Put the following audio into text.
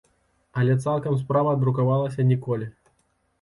Але цалкам справа друкавалася ніколі.